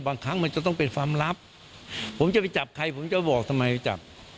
บางครั้งมันจะต้องเป็นความลับผมจะไปจับใครผมจะบอกทำไมจับ